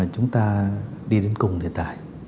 chúng ta đi đến cùng đề tài